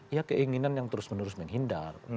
ya keinginan yang terus menerus menghindar